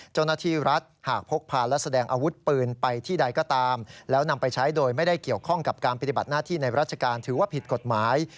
เจ้าหน้าที่รัฐหากพกพาและแสดงอาวุธปืนไปที่ใดก็ตามแล้วนำไปใช้โดยไม่ได้เกี่ยวข้องกับการปฏิบัติหน้าที่ในราชการถือว่าผิดกฎหมาย